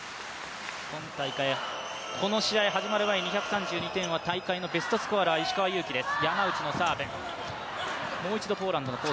今大会この試合始まる前２３２点はベストスコアラー石川祐希です。